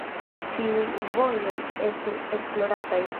Ĉiuj vojoj estu esplorataj.